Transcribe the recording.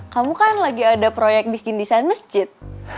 kamu kan lagi ada proyek bikin desain masjid